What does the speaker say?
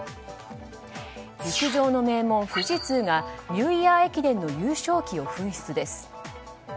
陸上の名門、富士通がニューイヤー駅伝の優勝旗を紛失です。